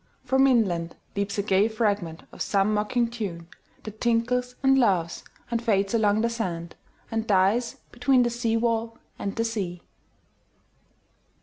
From inlandLeaps a gay fragment of some mocking tune, That tinkles and laughs and fades along the sand, And dies between the seawall and the sea.